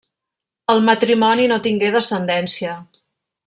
El matrimoni no tingué descendència.